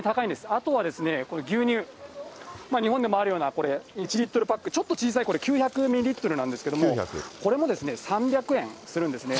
あとは牛乳、日本でもあるような、１リットルパック、ちょっと小さい、これ９００ミリリットルなんですけれども、これも３００円するんですね。